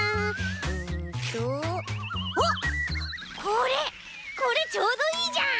これこれちょうどいいじゃん！